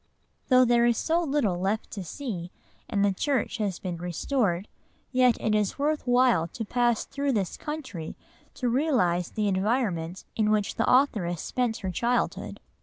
'" Though there is so little left to see, and the church has been "restored," yet it is worth while to pass through this country to realise the environment in which the authoress spent her childhood.